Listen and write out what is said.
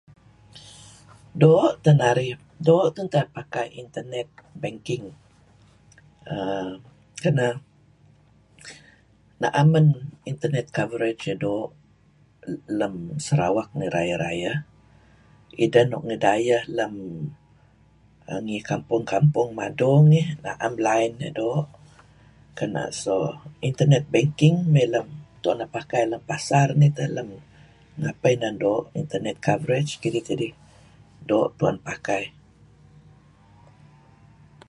Doo' teh narih, doo' tun teh pakai internet banking naem uhm nam man internrt coverage iih doo' lam Sarwak rayeh-rayeh nih. Ideh nuk ngi dayeh ngi nuk ni kampong-kampong ngih, naem line iih doo' Doo', Internet banking dih doo' tuen pakai lam pasar ngapeh inan doo' inetrnet cover. Kidih tidih doo' tuen pakai.